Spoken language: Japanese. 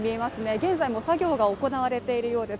現在も作業が行われているようです。